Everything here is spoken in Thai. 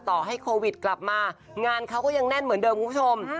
ต่อให้โควิดกลับมางานเขาก็ยังแน่นเหมือนเดิมคุณผู้ชม